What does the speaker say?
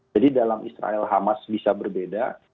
jadi dalam israel hamas bisa berbeda